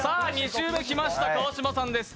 ２周目きました川島さんです